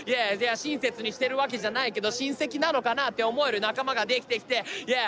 親切にしてるわけじゃないけど親戚なのかなって思える仲間ができてきてＹｅａｈ！